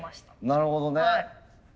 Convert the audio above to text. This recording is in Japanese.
なるほどね。